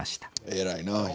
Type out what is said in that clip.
偉いな博。